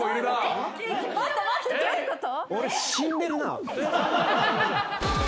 ・待って待ってどういうこと！？